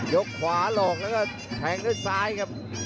ขวาหลอกแล้วก็แทงด้วยซ้ายครับ